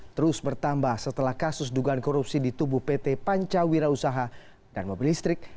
terus bertambah setelah kasus dugaan korupsi di tubuh pt pancawira usaha dan mobil listrik